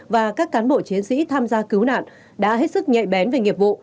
và các cán bộ chiến sĩ tham gia cứu nạn đã hết sức nhạy bén về nghiệp vụ